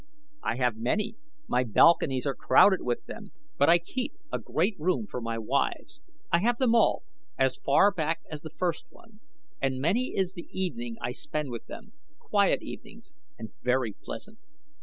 "I have many, my balconies are crowded with them; but I keep a great room for my wives. I have them all, as far back as the first one, and many is the evening I spend with them quiet evenings and very pleasant.